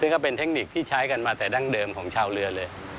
ซึ่งก็เป็นเทคนิคที่ใช้กันมาแต่ดั้งเดิมของชาวเรือเลย